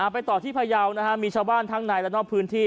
ไปต่อที่พยาวมีชาวบ้านทั้งในและนอกพื้นที่